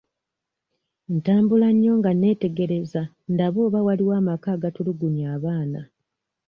Ntambula nnyo nga neetegereza ndabe oba waliwo amaka agatulugunya abaana.